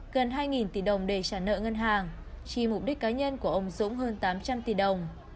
gần hai tỷ đồng để trả nợ ngân hàng chi mục đích cá nhân của ông dũng hơn tám trăm linh tỷ đồng